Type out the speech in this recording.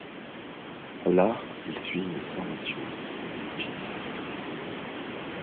Là, il suit une formation de pizzaïolo.